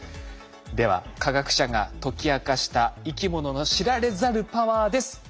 では科学者が解き明かした生きものの知られざるパワーです。